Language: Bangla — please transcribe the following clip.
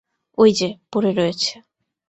ঐ-যে পড়ে রয়েছে।